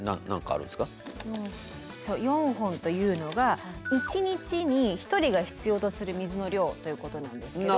４本というのが１日に１人が必要とする水の量ということなんですけど。